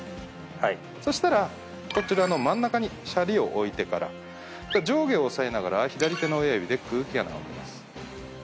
そしたらこちらの真ん中にシャリを置いてから上下を押さえながら左手の親指で空気穴を開けます。